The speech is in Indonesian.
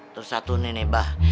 terus satu nih nih mbah